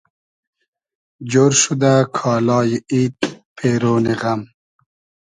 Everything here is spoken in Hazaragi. جۉر شودۂ کالای اید پېرۉنی غئم